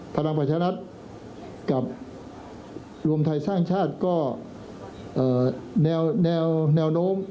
พลังประชารัฐกับรวมไทยสร้างชาติก็แนวโน้ม